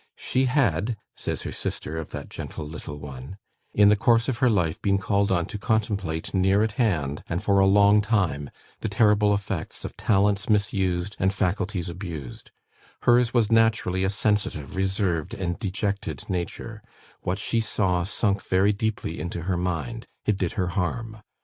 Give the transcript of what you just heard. "She had" (says her sister of that gentle "little one"), "in the course of her life, been called on to contemplate near at hand, and for a long time, the terrible effects of talents misused and faculties abused; hers was naturally a sensitive, reserved, and dejected nature; what she saw sunk very deeply into her mind; it did her harm.